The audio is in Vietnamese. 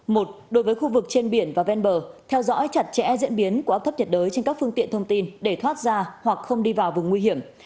một đối với khu vực trên biển và ven bờ theo dõi chặt chẽ diễn biến của áp thấp nhiệt đới trên các phương tiện thông tin để thoát ra hoặc không đi vào vùng nguy hiểm